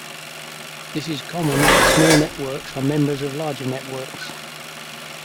This is common where small networks are members of larger networks.